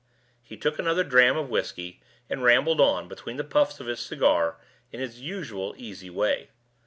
He took another dram of whisky, and rambled on, between the puffs of his cigar, in his usual easy way.